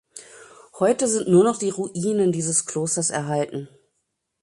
Heute sind nur noch die Ruinen dieses Klosters erhalten.